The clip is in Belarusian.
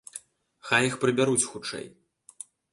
Хай іх прыбяруць хутчэй.